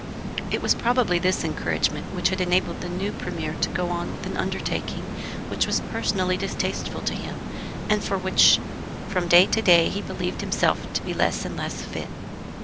It was probably this encouragement which had enabled the new Premier to go on with an undertaking which was personally distasteful to him, and for which from day to day he believed himself to be less and less fit.